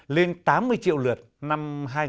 lên tám mươi triệu lượt năm hai nghìn một mươi tám